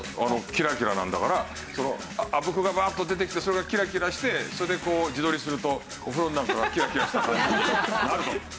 キラキラなんだからあぶくがバーッと出てきてそれがキラキラしてそれでこう自撮りするとお風呂の中がキラキラした感じになると。